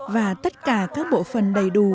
và tất cả các bộ phần đầy đủ